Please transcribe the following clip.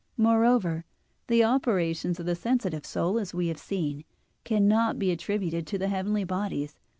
Moreover, the operations of the sensitive soul, as we have seen, cannot be attributed to the heavenly bodies.